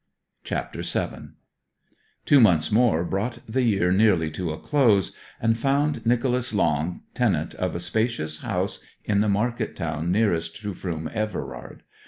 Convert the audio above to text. CHAPTER VII Two months more brought the year nearly to a close, and found Nicholas Long tenant of a spacious house in the market town nearest to Froom Everard.